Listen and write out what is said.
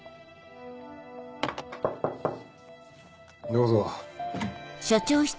どうぞ。